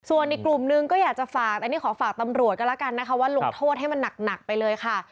ส่วนอีกกลุ่มนึงก็อยากจะฝากอันนี้ขอฝากตำรวจก็แล้วกันนะคะว่าลงโทษให้มันหนักไปเลยค่ะ